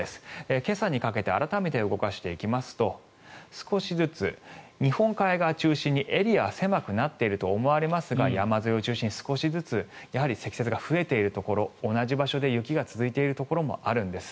今朝にかけて改めて動かしていきますと少しずつ日本海側中心にエリアは狭くなっていると思われますが山沿いを中心に少しずつ積雪が増えているところ同じ場所で雪が続いているところもあるんです。